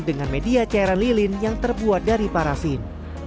dengan media cairan lilin yang terbuat dari parasin